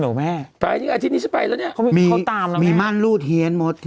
รึเปล่าไงจริงหรอแหม